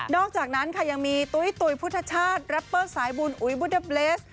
นอกจากนั้นค่ะยังมีตุ๋ยพุทธชาติแร็ปเปอร์สายบุญอุยบุฎบเลส